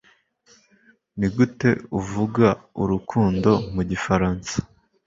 nigute uvuga urukundo mu gifaransa